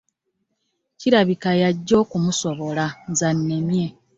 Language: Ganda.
Kirabika y'ajja okumusobola nze annemye.